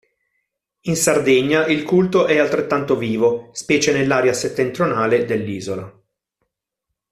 In Sardegna il culto è altrettanto vivo, specie nell'area settentrionale dell'Isola.